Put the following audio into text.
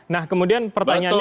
nah kemudian pertanyaannya